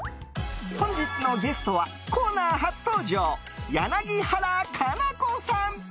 本日のゲストはコーナー初登場柳原可奈子さん。